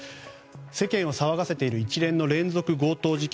世間を騒がせている一連の強盗事件。